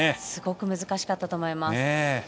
すごく難しかったと思います。